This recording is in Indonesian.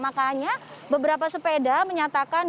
makanya beberapa sepeda menyatakan